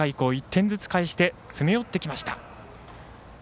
３回以降１点ずつ返して詰め寄ってきました。